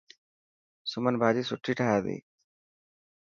سمن ڀاڄي سٺي ٺاهي تي.